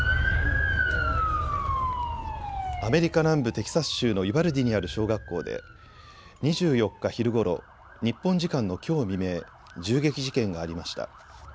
アメリカ南部、テキサス州のユバルディにある小学校で２４日昼ごろ、日本時間のきょう未明、銃撃事件がありました。